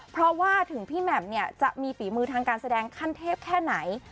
เพราะว่าถึงพี่แหม่มเนี่ยจะมีฝีมือทางการแสดงขั้นเทพแค่ไหน